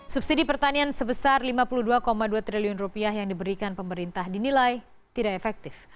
subsidi pertanian sebesar rp lima puluh dua dua triliun rupiah yang diberikan pemerintah dinilai tidak efektif